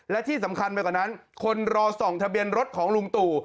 และที่สำคัญไปกว่านั้นคนรอส่องทะเบียนรถของลุงตู่